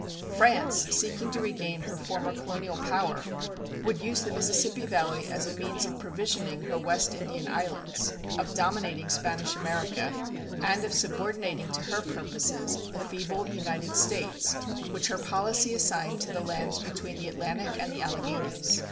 France, seeking to regain her former colonial power, would use the Mississippi Valley as a means of provisioning her West Indian islands; of dominating Spanish America, and of subordinating to her purposes the feeble United States, which her policy assigned to the lands between the Atlantic and the Alleghanies.